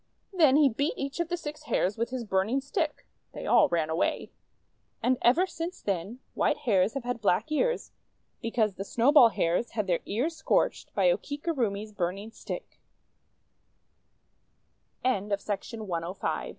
Then he beat each of the six Hares with his burning stick. They all ran away. And ever since then white Hares have had black ears, because the Snowball Hares had their ears scorched by Okikurumi's burning stic